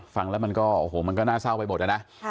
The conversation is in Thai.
ฟังแล้วมันก็โอ้โหมันก็น่าเศร้าไปหมดนะ